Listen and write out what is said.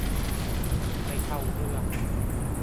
ไม่เข้าเรื่อง